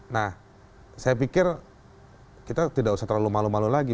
nah saya pikir kita tidak usah terlalu malu malu lagi